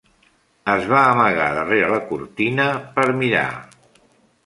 Es va amagar darrere la cortina, per mirar.